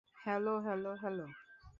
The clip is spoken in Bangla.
Hello, hello, hello.